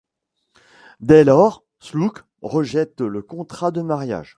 Dès lors, Slook rejette le contrat de mariage.